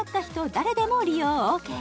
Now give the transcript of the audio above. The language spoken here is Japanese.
誰でも利用ＯＫ！